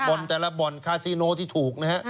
แต่ละบ่อนคาซิโนที่ถูกนะฮะ